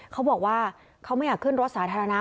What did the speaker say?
เขาบอกว่าเขาไม่อยากขึ้นรถสาธารณะ